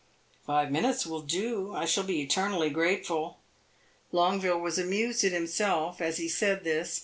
"Five minutes will do. I shall be eternally grateful." Longueville was amused at himself as he said this.